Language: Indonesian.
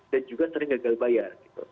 dan juga sering gagal bayar gitu